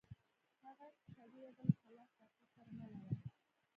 هغه اقتصادي وده له خلاق تخریب سره مله وه.